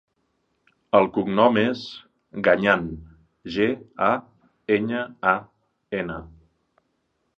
El cognom és Gañan: ge, a, enya, a, ena.